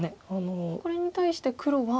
これに対して黒は。